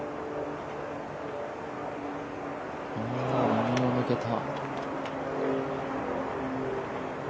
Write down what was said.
右を抜けた。